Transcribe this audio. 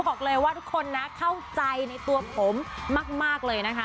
บอกเลยว่าทุกคนนะเข้าใจในตัวผมมากเลยนะคะ